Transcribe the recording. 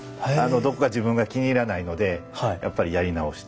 どこか自分が気に入らないのでやっぱりやり直して。